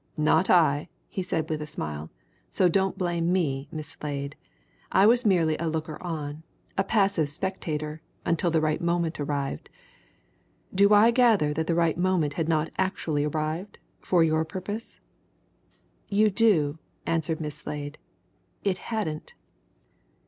"Not I!" he said with a smile. "So don't blame me, Miss Slade. I was merely a looker on, a passive spectator until the right moment arrived. Do I gather that the right moment had not actually arrived for your purpose?" "You do," answered Miss Slade. "It hadn't.